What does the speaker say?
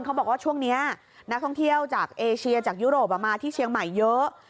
เขาบอกว่าช่วงนี้นักท่องเที่ยวจากเอเชียจากยุโรปมาที่เชียงใหม่เยอะ